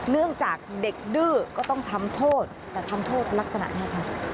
เนื่องจากเด็กดื้อก็ต้องทำโทษแต่ทำโทษลักษณะนี้ค่ะ